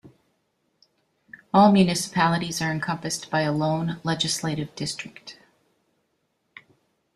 All municipalities are encompassed by a lone legislative district.